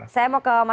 silahkan mbak nana